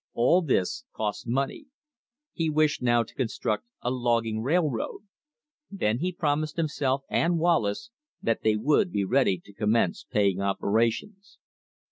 All this costs money. He wished now to construct a logging railroad. Then he promised himself and Wallace that they would be ready to commence paying operations.